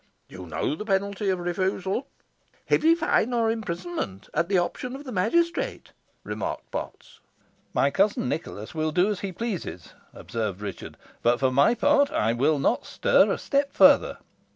You know the penalty of refusal." "Heavy fine or imprisonment, at the option of the magistrate," remarked Potts. "My cousin Nicholas will do as he pleases," observed Richard; "but, for my part, I will not stir a step further."